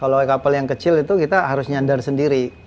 kalau kapal yang kecil itu kita harus nyandar sendiri